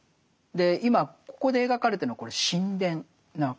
今ここで描かれてるのはこれ神殿なわけですね。